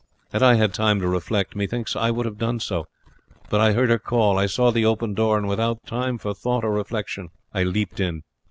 Had I had time to reflect, methinks I would have done so; but I heard her call, I saw the open door, and without time for thought or reflection I leapt in."